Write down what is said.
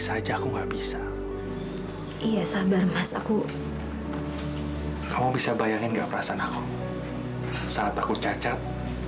saja aku nggak bisa iya sabar mas aku kamu bisa bayangin nggak perasaan aku sangat aku cacat